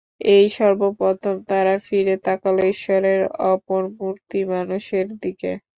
এই সর্বপ্রথম তারা ফিরে তাকাল ঈশ্বরের অপর মূর্তি মানুষের দিকে।